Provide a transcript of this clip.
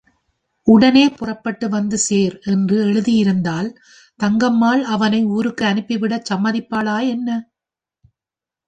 உடனே புறப்பட்டு வந்து சேர் என்று எழுதியிருந்தால் தங்கம்மாள் அவனை ஊருக்கு அனுப்பிவிடச் சம்மதிப்பாளா, என்ன?